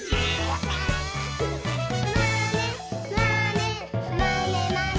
「まねまねまねまね」